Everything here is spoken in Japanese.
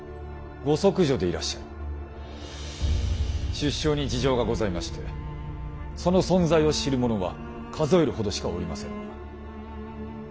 出生に事情がございましてその存在を知る者は数えるほどしかおりませぬが。